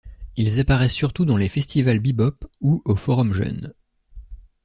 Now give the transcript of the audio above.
Ils apparaissent surtout dans les festivals Bebop, ou au Forum Jeune.